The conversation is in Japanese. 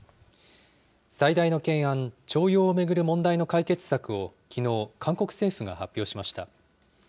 最大の懸案、徴用を巡る問題の解決策をきのう、韓国政府が発表しました。